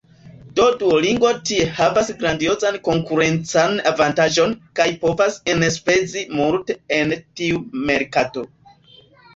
Do Duolingo tie havas grandiozan konkurencan avantaĝon kaj povas enspezi multe en tiu merkato.